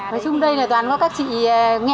nói chung đây là toàn có các chị nghèo